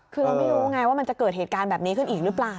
คือเราไม่รู้ไงว่ามันจะเกิดเหตุการณ์แบบนี้ขึ้นอีกหรือเปล่า